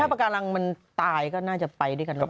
ถ้าปาการังมันตายก็น่าจะไปด้วยกันรึเปล่า